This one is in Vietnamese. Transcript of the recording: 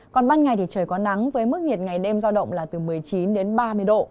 còn ban ngày thì trời có nắng với mức nhiệt ngày đêm giao động là từ một mươi chín đến ba mươi độ